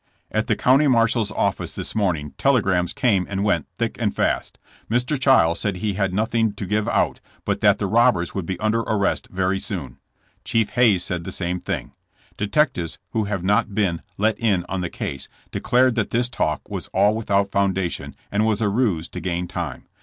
At the county marshal's office this morning tele grams came and went thick and fast. Mr. Chiles said he had nothing to give out, but that the robbers would be under arrest very soon. Chief Hayes said the same thing. Detectives who have not been ^'let in" on the case declared that this talk was all without foundation and was a ruse to gain time.